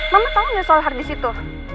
mama tahu nggak soal harddisk itu